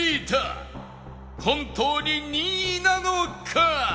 本当に２位なのか？